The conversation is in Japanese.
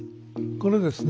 これですね